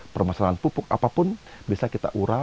permasalahan pupuk apapun bisa kita urang